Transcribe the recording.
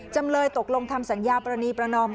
จำเลยตกลงทำสัญญาปรณีประนอม